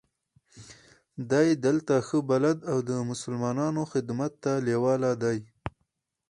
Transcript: دی دلته ښه بلد او د مسلمانانو خدمت ته لېواله دی.